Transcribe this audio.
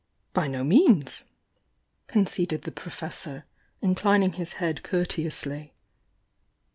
"By no means!" conceded the Professor, inclin ing his head courteously.